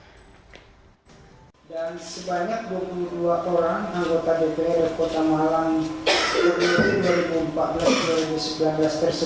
dan sebanyak dua puluh dua orang anggota dprd kota malang